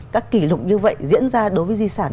các kỷ lục như vậy diễn ra đối với di sản